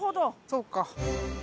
そうか。